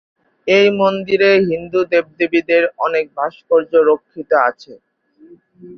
এই মন্দিরে হিন্দু দেবদেবীদের অনেক ভাস্কর্য রক্ষিত আছে।